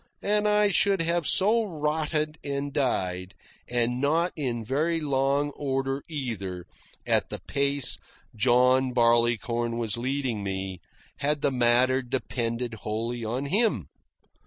And I should have so rotted and died, and not in very long order either, at the pace John Barleycorn was leading me, had the matter depended wholly on him.